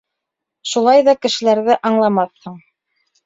Шулай ҙа кешеләрҙе аңламаҫһың.